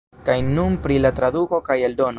Kaj nun pri la traduko kaj eldono.